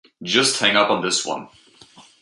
Just hang up on this one.